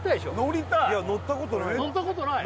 乗ったことない？